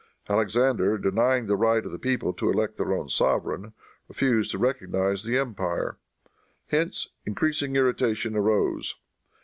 Alexander, denying the right of the people to elect their own sovereign, refused to recognize the empire. Hence increasing irritation arose.